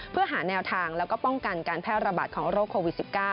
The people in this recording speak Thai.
เพื่อหาแนวทางแล้วก็ป้องกันการแพร่ระบาดของโรคโควิด๑๙